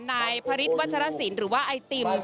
นายพระฤทธวัชรสินหรือว่าไอติม